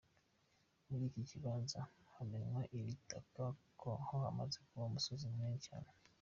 Muri iki kibanza hamenwa iri taka ho hamaze kuba umusozi munini cyane.